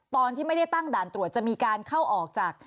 ตอนที่ไม่ได้ตั้งด่านตรวจจะมีการเข้าออกจาก